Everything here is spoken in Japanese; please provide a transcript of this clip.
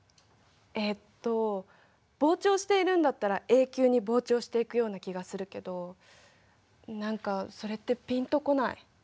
えっと膨張しているんだったら永久に膨張していくような気がするけど何かそれってピンとこない。